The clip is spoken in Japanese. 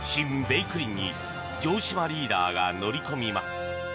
「べいくりん」に城島リーダーが乗り込みます！